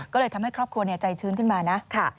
ก็เลยทำให้ครอบครัวใจชื้นขึ้นมานะ